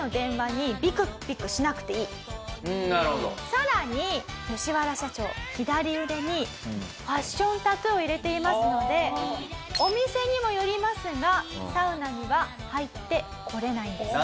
さらにヨシワラ社長左腕にファッションタトゥーを入れていますのでお店にもよりますがサウナには入ってこれないんです。